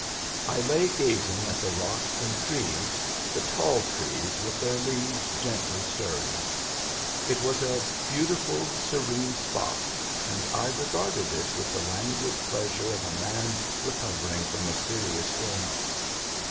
I lay gazing at the rocks and trees, the tall trees with their leaves gently stirring. It was Digitized by Google 204 MEMBERS OF THE FAMILY a beautiful, serene spot and I regarded It with the languid pleasure of a man recovering from a serious illness.